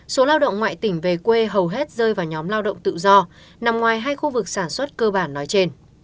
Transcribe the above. số lao động ngoại tỉnh về quê hầu hết rơi vào nhóm lao động tự do nằm ngoài hai khu vực sản xuất cơ bản nói trên